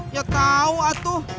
ya tau atuh